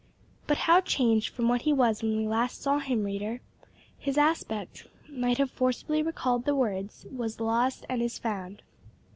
But how changed from what he was when we last saw him, reader! His aspect might have forcibly recalled the words, "was lost and is found."